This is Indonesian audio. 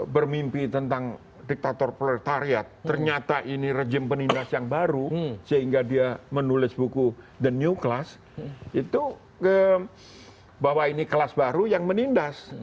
bermimpi tentang diktator plaritariat ternyata ini rejim penindas yang baru sehingga dia menulis buku the new class itu bahwa ini kelas baru yang menindas